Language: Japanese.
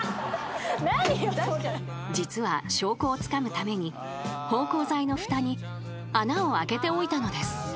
［実は証拠をつかむために芳香剤のふたに穴を開けておいたのです］